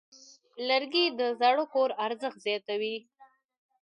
لرګی د زاړه کور ارزښت زیاتوي.